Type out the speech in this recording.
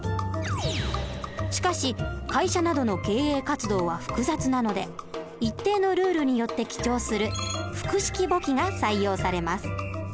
しかし会社などの経営活動は複雑なので一定のルールによって記帳する複式簿記が採用されます。